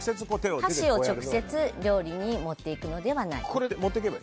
箸を直接料理に持っていくのではない。